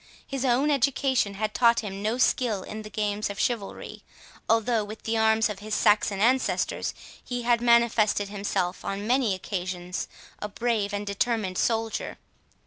His own education had taught him no skill in the games of chivalry, although, with the arms of his Saxon ancestors, he had manifested himself, on many occasions, a brave and determined soldier.